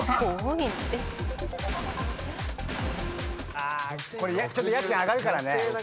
あこれちょっと家賃上がるからね。